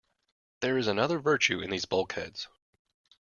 There is another virtue in these bulkheads.